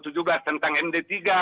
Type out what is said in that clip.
tentang md tiga